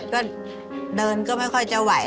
ก็เดินก็ไม่ค่อยจะไหว